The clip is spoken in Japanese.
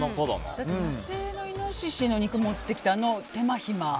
だって野生のイノシシの肉持ってきてあの手間暇。